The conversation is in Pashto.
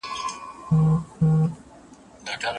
ساعت چا ته مه ورکوه.